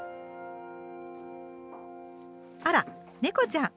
あら猫ちゃん。